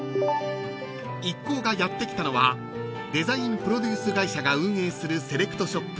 ［一行がやって来たのはデザインプロデュース会社が運営するセレクトショップ］